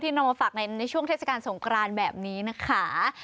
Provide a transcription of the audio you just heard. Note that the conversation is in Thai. นำมาฝากในช่วงเทศกาลสงครานแบบนี้นะคะ